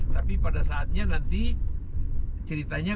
tapi pada saatnya nanti ceritanya